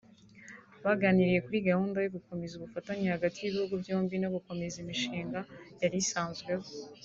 Baganiriye kuri gahunda yo gukomeza ubufatanye hagati y’ibihugu byombi no gukomeza imishinga yari isanzweho